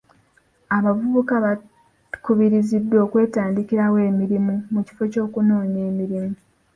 Abavubuka baakubiriziddwa okwetandikirawo emirimu mu kifo ky'okunoonya emirimu.